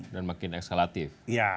dan makin ekskelatif